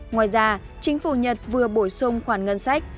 ngoài ra chính phủ nhật vừa bổ sung khoản ngân sách